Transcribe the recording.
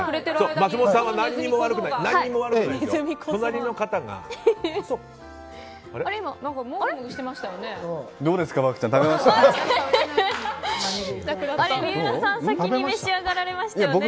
三浦さん先に召し上がられましたよね？